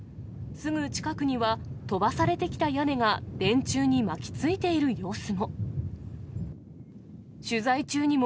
すぐ近くには、飛ばされてきた屋根が、電柱に巻きついている様子も。